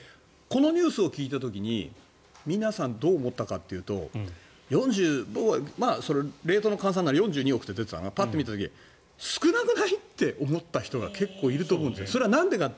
このニュースを聞いた時に皆さん、どう思ったかというと僕はまだレートの換算で４２億円って出てたのかなパッと見た時少なくない？って思った人が多かったんじゃないかと。